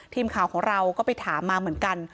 ทีมข่าวของเราก็ไปถามมาเหมือนกัน